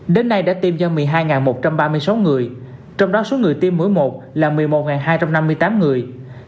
đến nay đã tiêm cho một mươi hai một trăm ba mươi sáu người trong đó số người tiêm mỗi một là một mươi một hai trăm năm mươi tám người